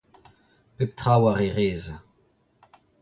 pep tra war e rez